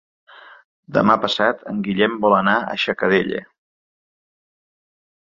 Demà passat en Guillem vol anar a Xacarella.